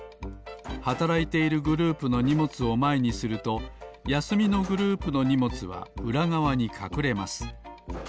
はたらいているグループのにもつをまえにするとやすみのグループのにもつはうらがわにかくれます。